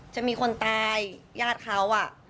จะมีคนตายญาติเขา